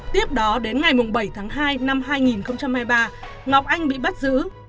tiếp đó đến ngày bảy tháng hai năm hai nghìn hai mươi ba ngọc anh bị bắt giữ